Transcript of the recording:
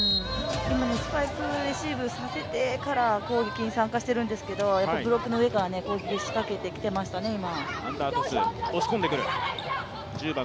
スパイクレシーブさせてから攻撃に参加しているんですけど、ブロックの上から攻撃仕掛けてきていましたね、今。